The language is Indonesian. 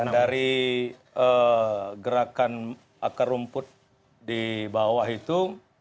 dari gerakan akar rumput di bawah itu